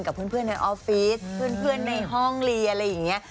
กับเพื่อนอะไรฟีศเพื่อนในห้องลีอะไรอย่างเงี้ย